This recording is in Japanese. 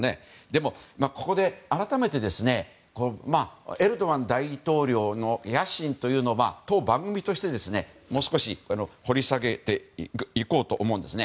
でも、ここで改めてエルドアン大統領の野心というのを当番組としてもう少し掘り下げていこうと思います。